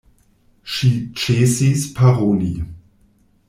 Ŝi ĉesis paroli.